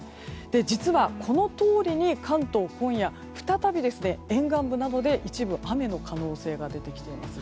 実はこのとおりに関東、今夜再び沿岸部などで一部雨の可能性が出てきています。